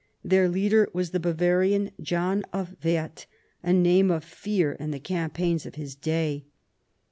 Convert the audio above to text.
Their leader was the Bavarian, John of Werth, a name of fear in the campaigns of his day.